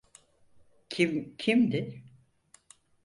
Kim kimdi?